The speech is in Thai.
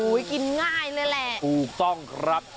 โอ๊ยกินง่ายเลยแหละอุ๊ซ่องครับ